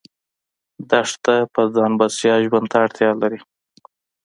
دښته په ځان بسیا ژوند ته اړتیا لري.